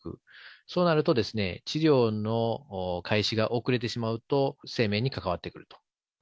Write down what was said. そうなると、治療の開始が遅れてしまうと、生命にかかわってくると。